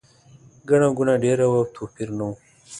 ګڼه ګوڼه ډېره وه او توپیر نه و.